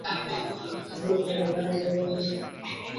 This led to the rapid development of more and larger collieries.